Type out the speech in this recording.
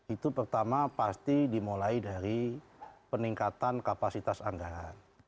itu pertama pasti dimulai dari peningkatan kapasitas anggaran